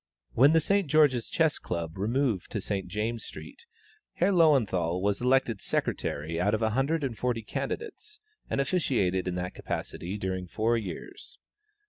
When the St. George's Chess Club removed to St. James's street, Herr Löwenthal was elected secretary out of one hundred and forty candidates, and officiated in that capacity during four years.